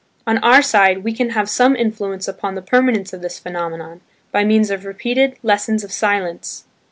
On our side, we can have some influence upon the permanence of this phenomenon, by means of repeated "Lessons of Silence."